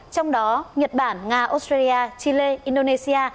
trong đó nhật bản nga australia chile indonesia